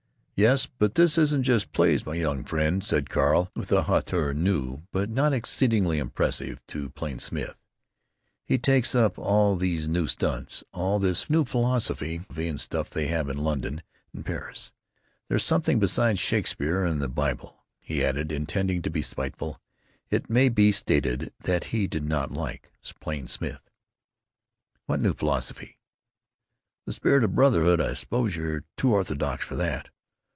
"Yes, but this isn't just plays, my young friend," said Carl, with a hauteur new but not exceedingly impressive to Plain Smith. "He takes up all these new stunts, all this new philosophy and stuff they have in London and Paris. There's something besides Shakespeare and the Bible!" he added, intending to be spiteful. It may be stated that he did not like Plain Smith. "What new philosophy?" "The spirit of brotherhood. I suppose you're too orthodox for that!"